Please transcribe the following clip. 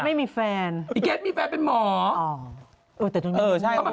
ห้าแล้วก็มาเป็นกี่คน